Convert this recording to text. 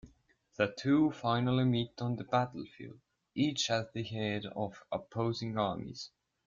The two finally meet on the battlefield, each at the head of opposing armies.